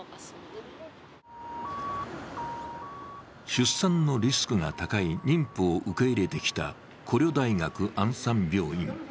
出産のリスクが高い妊婦を受け入れてきたコリョ大学アンサン病院。